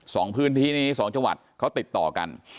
สองพื้นที่นี้สองจังหวัดเขาติดต่อกัน